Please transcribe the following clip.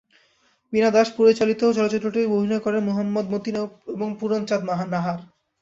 বীণা দাস পরিচালিত চলচ্চিত্রটিতে অভিনয় করেন মুহাম্মাদ মতিন এবং পূরণচাঁদ নাহার।